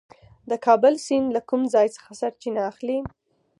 د کابل سیند له کوم ځای څخه سرچینه اخلي؟